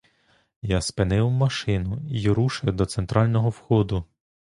Я спинив машину й рушив до центрального входу.